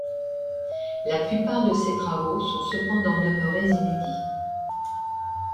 La plupart de ces travaux sont cependant demeurés inédits.